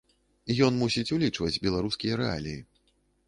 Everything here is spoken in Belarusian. Ён мусіць улічваць беларускія рэаліі.